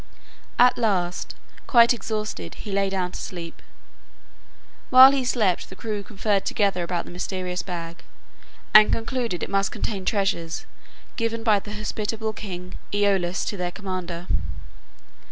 At last quite exhausted he lay down to sleep. While he slept, the crew conferred together about the mysterious bag, and concluded it must contain treasures given by the hospitable king Aeolus to their commander.